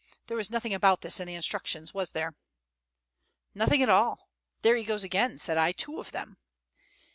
There was nothing about this in the instructions, was there?" "Nothing at all. There he goes again," said I. "Two of them!"